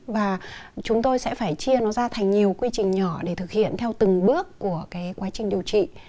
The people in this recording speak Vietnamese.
và chúng tôi sẽ phải chia nó ra thành nhiều quy trình nhỏ để thực hiện theo từng bước của cái quá trình điều trị